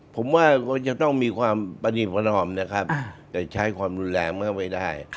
ผมว่าก็จะต้องมีความประนีประนอมนะครับแต่ใช้ความรุนแรงเมื่อไม่ได้